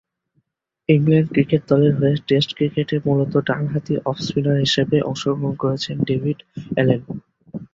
England cricket দলের হয়ে test ক্রিকেটে মূলতঃ ডানহাতি অফ-স্পিনার হিসেবে অংশগ্রহণ করেছেন ডেভিড অ্যালেন।